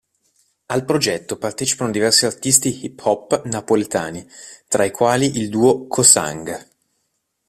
Al progetto partecipano diversi artisti hip hop napoletani tra i quali il duo Co'Sang.